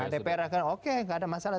dpr akan oke tidak ada masalah